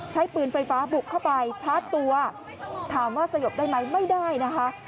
ใช้ปืนไฟฟ้าบุกเข้าไปชาร์จตัวถามว่าสยบได้ไหมไม่ได้นะคะ